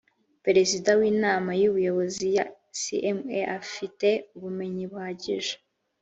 perezida w inama y ubuyobozi ya cma afite ubumenyi buhagije